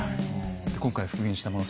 今回復元したもの